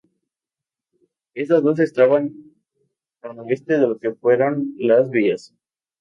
Las dos estaban al este de lo que fueron las vías.